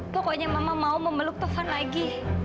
pokoknya mama mau memeluk taufan lagi